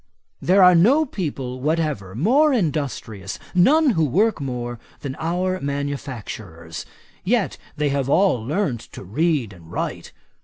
There are no people whatever more industrious, none who work more, than our manufacturers; yet they have all learnt to read and write.